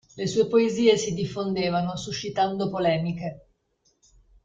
Le sue poesie si diffondevano, suscitando polemiche.